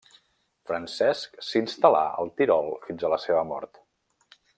Francesc s'instal·là al Tirol fins a la seva mort.